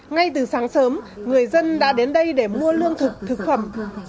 ngay từ sáng sớm người dân đã đến đây để mua lương thực thực phẩm